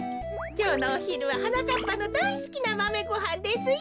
きょうのおひるははなかっぱのだいすきなマメごはんですよ。